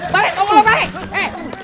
balik tunggulah balik